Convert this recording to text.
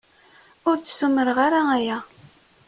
Ur d-ssumreɣ ara aya.